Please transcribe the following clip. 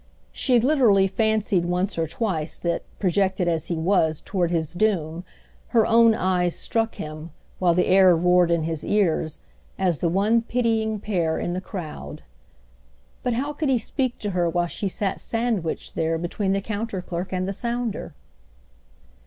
She literally fancied once or twice that, projected as he was toward his doom, her own eyes struck him, while the air roared in his ears, as the one pitying pair in the crowd. But how could he speak to her while she sat sandwiched there between the counter clerk and the sounder?